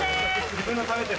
自分の食べて。